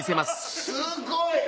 すごい！